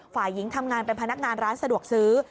ฝ่ายหญิงทำงานเป็นพนักงานร้านสะดวกซื้อ